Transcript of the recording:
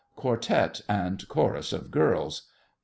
QUARTET AND CHORUS OF GIRLS.